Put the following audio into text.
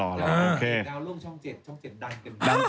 โดยจ่ายเอาโล่งช้องเจ็ดช้องเจ็ดดันกันไป